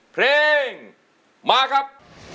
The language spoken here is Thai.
เพลงมาครับ